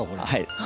はい。